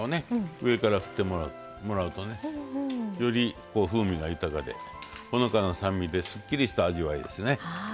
上から振ってもらうとねより風味が豊かでほのかな酸味ですっきりした味わいですね。